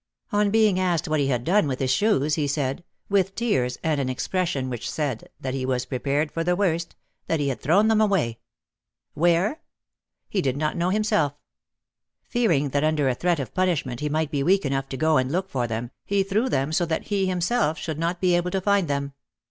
On being asked what he had done with his shoes he said, with tears and an expression which said that he was prepared for the worst, that he had thrown them away. "Where?" He did not know, himself. Fearing that under a threat of punishment he might be weak enough to go and look for them, he threw them so that he himself should not be able to find them.